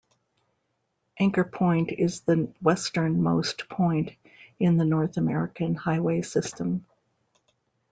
Anchor Point is the westernmost point in the North American highway system.